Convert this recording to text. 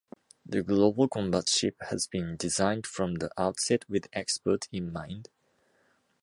The Global Combat Ship has been designed from the outset with export in mind.